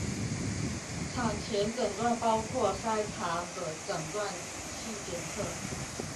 产前诊断包括筛查和诊断性检测。